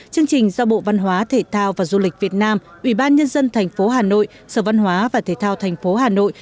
chương trình do bộ văn hóa thể thao và du lịch việt nam ủy ban nhân dân thành phố hà nội sở văn hóa và thể thao thành phố hà nội